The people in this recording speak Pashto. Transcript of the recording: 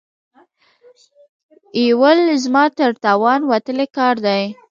ایېلول زما تر توان وتلی کار دی.